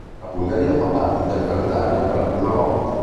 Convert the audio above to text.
La Bulgaria fa parte del calendario per la prima volta.